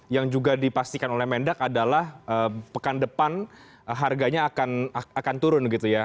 yang juga dipastikan oleh mendak adalah pekan depan harganya akan turun gitu ya